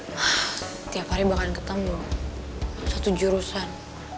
setiap hari bahkan ketemu satu jurusan